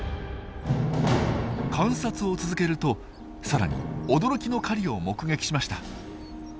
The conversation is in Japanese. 観察を続けるとさらに驚きの狩りを目撃しました。